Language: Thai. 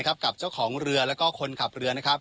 กับเจ้าของเรือและคนขับเรือ